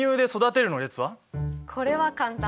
これは簡単。